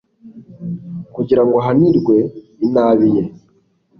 kugira ngo ahanirwe inabi ye